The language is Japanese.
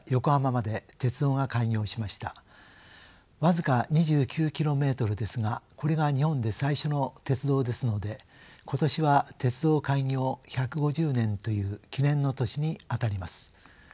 僅か２９キロメートルですがこれが日本で最初の鉄道ですので今年は鉄道開業１５０年という記念の年にあたります。